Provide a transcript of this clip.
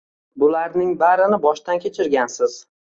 Bularning barini boshdan kechirgansiz.